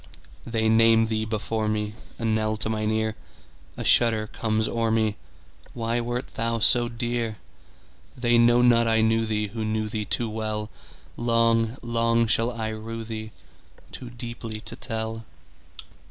They name thee before me,A knell to mine ear;A shudder comes o'er me—Why wert thou so dear? They know not I knew theeWho knew thee too well:Long, long shall I rue theeToo deeply to tell.